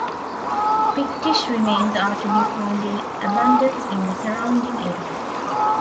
Pictish remains are to be found in abundance in the surrounding area.